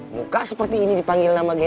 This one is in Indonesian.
muka seperti ini dipanggil nama gue